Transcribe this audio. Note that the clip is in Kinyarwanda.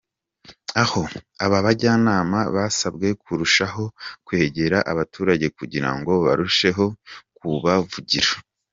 Aho aba bajyanama basabwe kurushaho kwegera abaturage kugira ngo barusheho kubavugira.